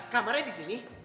kamarnya di sini